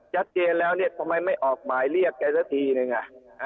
ชัดเจนแล้วเนี่ยทำไมไม่ออกหมายเรียกแกสักทีนึงอ่ะ